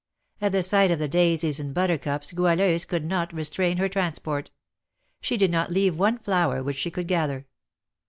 At the sight of the daisies and buttercups Goualeuse could not restrain her transport, she did not leave one flower which she could gather.